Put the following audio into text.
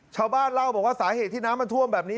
ชาวบ้านเล่าบอกว่าสาเหตุที่น้ำมันท่วมแบบนี้